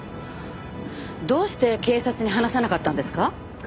どうして警察に話さなかったんですか？